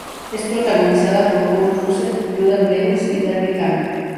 Es protagonizada por Kurt Russell, Judah Lewis y Darby Camp.